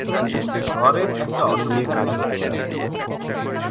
ঘরের একটা অসুবিধা কি?